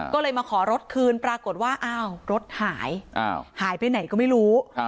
ก็เลยมาขอรถคืนปรากฏว่าอ้าวรถหายหายไปไหนก็ไม่รู้